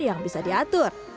yang bisa diatur